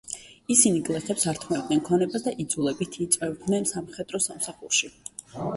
ისინი გლეხებს ართმევდნენ ქონებას და იძულებით იწვევდნენ სამხედრო სამსახურში.